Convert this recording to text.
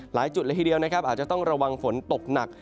หลายจุดเลยทีเดียวนะครับอาจจะต้องระวังฝนตกหนัก